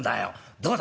どうだ？